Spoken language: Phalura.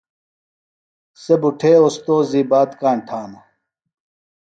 سےۡ بُٹھے اوستوذی بات کاݨ تھانہ۔